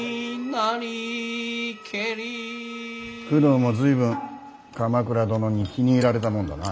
工藤も随分鎌倉殿に気に入られたもんだな。